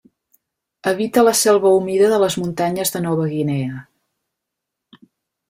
Habita la selva humida de les muntanyes de Nova Guinea.